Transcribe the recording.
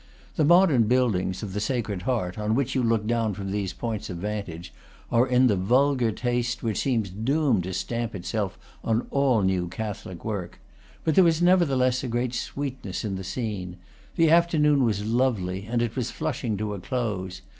The modern buildings (of the Sacred Heart), on which you look down from these points of vantage, are in the vulgar taste which seems doomed to stamp itself on all new Catholic work; but there was never theless a great sweetness in the scene. The afternoon was lovely, and it was flushing to a close.